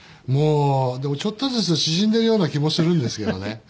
もうでもちょっとずつ縮んでるような気もするんですけどね。